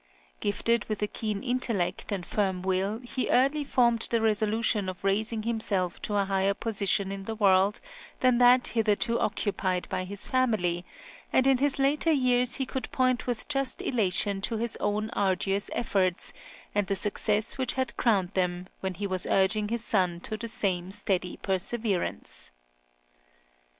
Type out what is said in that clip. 8 Gifted with a keen intellect and firm will he early formed the resolution of raising himself to a higher position in the world than that hitherto occupied by his family; and in his later years he could point with just elation to his own arduous efforts, and the success which had crowned them, when he was urging his son to the same steady perseverance.